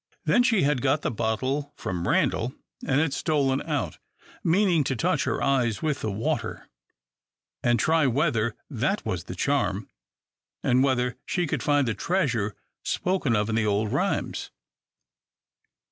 Then she had got the bottle from Randal, and had stolen out, meaning to touch her eyes with the water, and try whether that was the charm and whether she could find the treasure spoken of in the old rhymes.